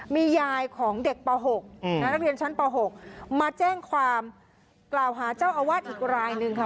มียายของเด็กป๖นักเรียนชั้นป๖มาแจ้งความกล่าวหาเจ้าอาวาสอีกรายหนึ่งค่ะ